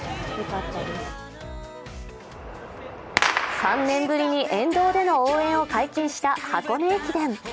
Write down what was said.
３年ぶりに沿道での応援を解禁した箱根駅伝。